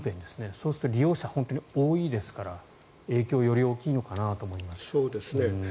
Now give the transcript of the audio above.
そうすると、利用者は本当に多いですから影響がより大きいのかなと思います。